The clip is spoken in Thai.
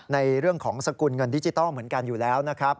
ในเรื่องของสกุลเงินดิจิทัลเหมือนกันอยู่แล้วนะครับ